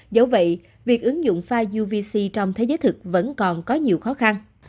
dẫu vậy việc ứng dụng fi uvc trong thế giới thực vẫn còn có nhiều khó khăn